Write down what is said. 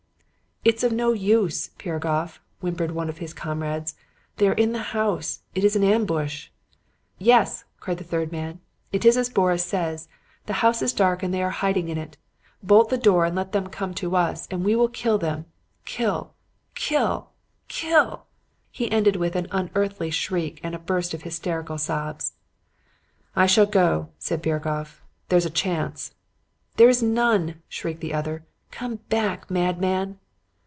"'It is of no use, Piragoff,' whimpered one of his comrades. 'They are in the house. It is an ambush.' "'Yes,' cried the third man, 'it is as Boris says. The house is dark and they are hiding in it. Bolt the door and let them come up to us; and we will kill them kill! kill! kill!' he ended with an unearthly shriek and a burst of hysterical sobs. "'I shall go,' said Piragoff. 'There is a chance.' "'There is none,' shrieked the other. 'Come back, madman!'